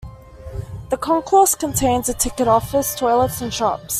The concourse contains a ticket office, toilets and shops.